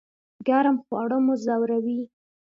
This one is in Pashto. ګرم خواړه مو ځوروي؟